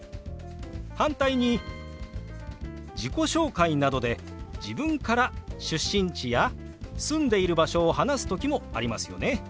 反対に自己紹介などで自分から出身地や住んでいる場所を話す時もありますよね。